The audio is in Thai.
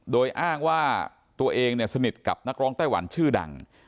โดยอ้างว่าตัวเองเนี่ยสนิทกับนักร้องไต้หวันชื่อดัง